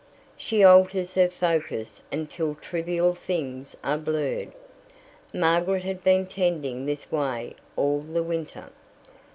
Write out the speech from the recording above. She alters her focus until trivial things are blurred. Margaret had been tending this way all the winter.